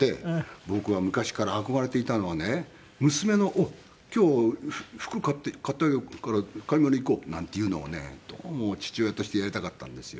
僕は昔から憧れていたのはね娘の今日服買ってあげるから買い物に行こうなんていうのをねどうも父親としてやりたかったんですよ。